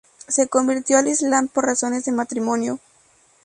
Se convirtió al islam por razones de matrimonio.